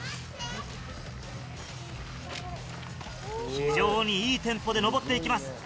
非常にいいテンポで登っていきます。